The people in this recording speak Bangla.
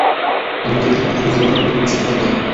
আমাদের এখন মজা করার মনমানসিকতা নেই।